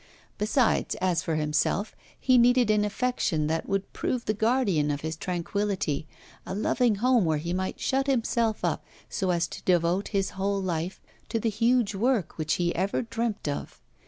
Besides, as for himself, he needed an affection that would prove the guardian of his tranquillity, a loving home, where he might shut himself up, so as to devote his whole life to the huge work which he ever dreamt of.